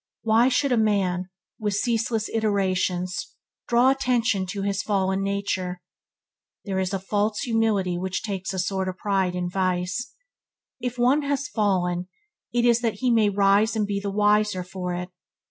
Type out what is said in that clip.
Why should a man, with ceaseless iterations, draw attention to his fallen nature? There is a false humility which takes a sort of pride in vice. If one has fallen, it is that he may rise and be the wiser for it.